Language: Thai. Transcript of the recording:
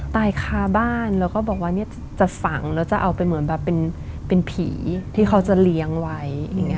ตายคาบ้านแล้วก็บอกว่าเนี่ยจะฝังแล้วจะเอาไปเหมือนแบบเป็นผีที่เขาจะเลี้ยงไว้อย่างนี้